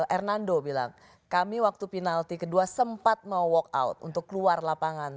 hernando bilang kami waktu penalti kedua sempat mau walk out untuk keluar lapangan